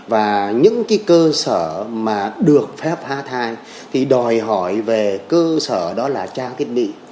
và những cái cơ sở mà được phép há thai thì đòi hỏi về cơ sở đó là trang thiết bị